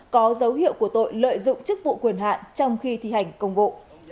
có dấu hiệu của tội lợi dụng chức vụ quyền hạn trong khi thi hành công vụ